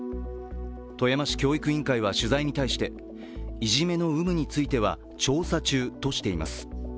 富山市教育委員会は取材に対して、いじめの有無については調査中としています。